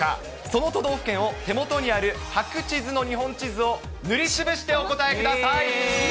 その都道府県を、手元にある白地図の日本地図を塗りつぶしてお答えー！